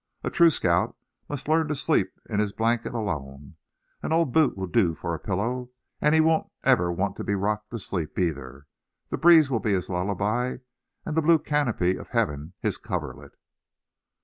A true scout must learn to sleep in his blanket alone. An old boot will do for a pillow; and he won't ever want to be rocked to sleep either. The breeze will be his lullaby, and the blue canopy of heaven his coverlet."